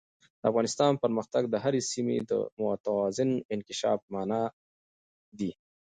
د افغانستان پرمختګ د هرې سیمې د متوازن انکشاف په مانا دی.